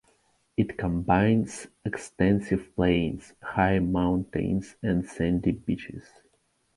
It combines extensive plains, high mountains and sandy beaches.